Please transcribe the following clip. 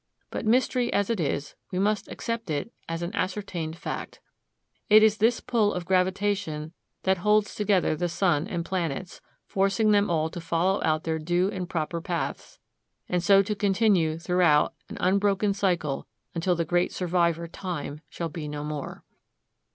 But mystery as it is, we must accept it as an ascertained fact. It is this pull of gravitation that holds together the sun and planets, forcing them all to follow out their due and proper paths, and so to continue throughout an unbroken cycle until the great survivor, Time, shall be no more.